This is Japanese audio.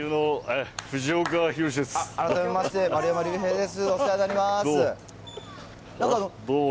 改めまして、丸山隆平です、どうも。